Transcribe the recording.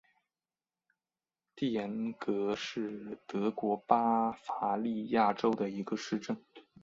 蒂廷格是德国巴伐利亚州的一个市镇。